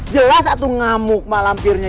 jelas aku ngamuk mak lampirnya